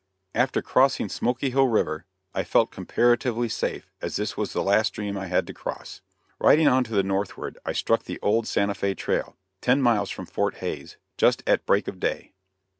After crossing Smoky Hill River, I felt comparatively safe as this was the last stream I had to cross. Riding on to the northward I struck the old Santa Fe trail, ten miles from Fort Hays, just at break of day.